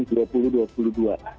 jadi kita akan berharap bisa menunggu